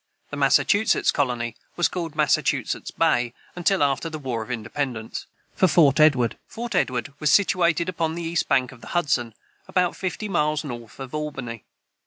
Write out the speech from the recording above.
The Massachusetts colony was called Massachusetts Bay until after the War for Independence.] [Footnote 18: Fort Edward was situated upon the east bank of the Hudson, about fifty miles north of Albany.